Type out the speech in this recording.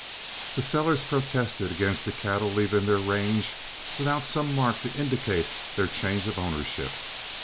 The sellers protested against the cattle leaving their range without some mark to indicate their change of ownership.